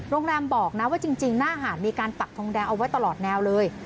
โรงแรมบอกนะว่าจริงหน้าหาดมีการปักทงแดงเอาไว้ตลอดแนวเลย